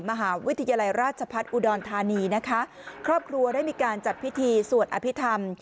มหาวิทยาลัยราชพัฒน์อุดรธานีนะคะครอบครัวได้มีการจัดพิธีสวดอภิษฐรรม